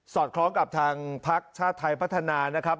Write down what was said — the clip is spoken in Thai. สอดคล้องกับทางพชไฟพัฒนานะครับ